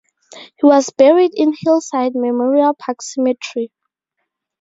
He was buried in Hillside Memorial Park Cemetery.